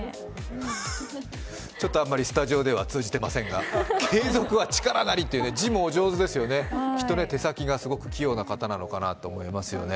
あんまりスタジオでは通じていませんが、「継続は力なり」と字もお上手ですよね、手先が器用な方なんだと思います。